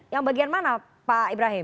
yang bagian mana pak ibrahim